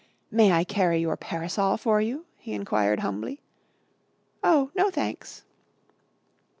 "May I carry your parasol for you?" he enquired humbly. "Oh, no, thanks."